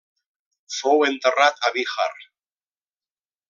Fou enterrat a Bihar.